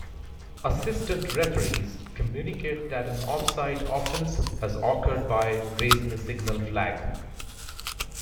Assistant referees communicate that an offside offence has occurred by raising a signal flag.